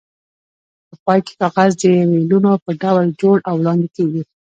په پای کې کاغذ د ریلونو په ډول جوړ او وړاندې کېږي.